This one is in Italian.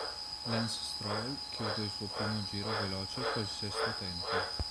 Lance Stroll chiude il suo primo giro veloce col sesto tempo.